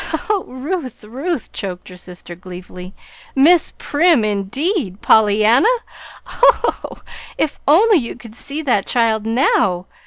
"Oh, Ruth, Ruth," choked her sister, gleefully. "Miss Prim, indeed POLLYANNA! Oh, oh, if only you could see that child now!